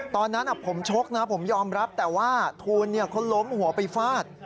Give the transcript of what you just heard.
ตอนนั้นผมชกนะผมยอมรับแต่ว่าทูลเขาล้มหัวไปฟาด